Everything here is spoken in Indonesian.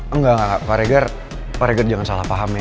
enggak enggak pak reger pak reger jangan salah paham ya